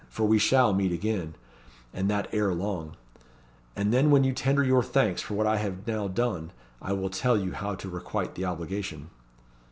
For we shall meet again, and that ere long; and then when you tender your thanks for what I have now done, I will tell you how to requite the obligation."